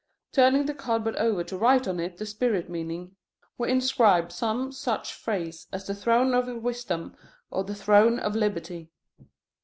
Turning the cardboard over to write on it the spirit meaning, we inscribe some such phrase as The Throne of Wisdom or The Throne of Liberty.